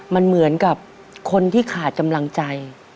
มันเหมือนกับคนที่ขาดกำลังใจ